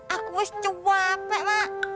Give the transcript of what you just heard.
aku is cuape mak